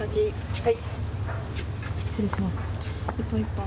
はい。